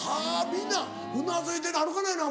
みんなうなずいてる歩かないの？